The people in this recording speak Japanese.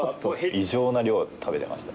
異常な量食べてました。